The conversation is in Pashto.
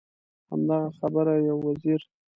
همدغه خبره یو وزیر.